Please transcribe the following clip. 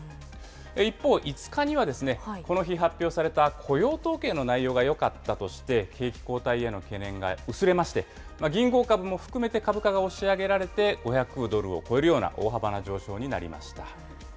一方、５日にはこの日発表された雇用統計の内容がよかったとして、景気後退への懸念が薄れまして、銀行株も含めて株価が押し上げられて、５００ドルを超えるような大幅な上昇になりました。